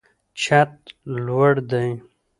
چت لوړ دی.